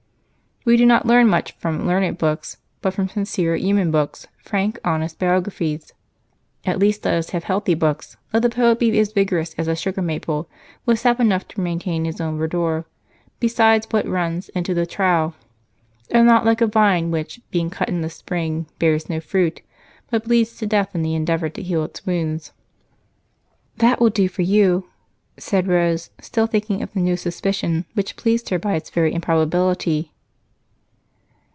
"'We do not learn much from learned books, but from sincere human books: frank, honest biographies.' "'At least let us have healthy books. Let the poet be as vigorous as the sugar maple, with sap enough to maintain his own verdure, besides what runs into the trough; and not like a vine which, being cut in the spring, bears no fruit, but bleeds to death in the endeavor to heal its wounds.'" "That will do for you," said Rose, still thinking of the new suspicion which pleased her by its very improbability.